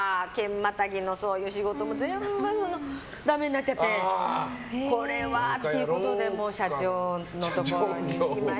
またぎの仕事も全部ダメになっちゃってこれはってことでもう社長のところに行きまして。